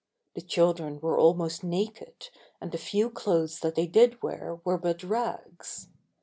The children were almost naked and the few clothes that they did wear were but rags.